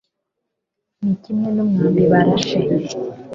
ni kimwe n'umwambi barashe